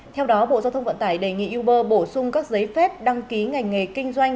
theo đó bộ giao thông vận tải đề nghị uber bổ sung các giấy phép đăng ký ngành nghề kinh doanh